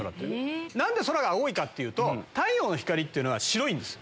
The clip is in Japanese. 何で空が青いかっていうと太陽の光って白いんです。